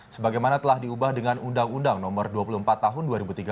sebagaimana telah diubah dengan undang undang no dua puluh empat tahun dua ribu tiga belas